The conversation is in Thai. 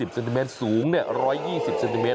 เซนติเมตรสูง๑๒๐เซนติเมต